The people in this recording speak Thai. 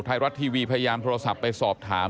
ไทยรัฐทีวีพยายามโทรศัพท์ไปสอบถาม